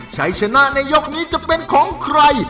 ชัยชนะในยกนี้จะเป็นของใคร